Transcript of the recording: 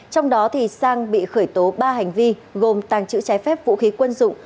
trong đó sang bị khởi tố ba hành vi gồm tàng trữ trái phép vũ khí quân dụng